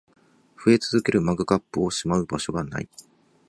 増え続けるマグカップをしまう場所が無い